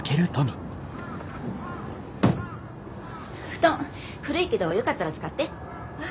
布団古いけどよかったら使って。